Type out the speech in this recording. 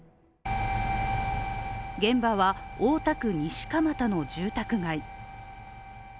現場は大田区西蒲田の住宅街。